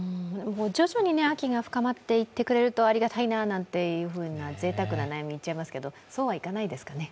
徐々に秋が深まっていってくれるとありがたいなみたいなぜいたくな悩み、言っちゃいますけど、そうはいかないですかね。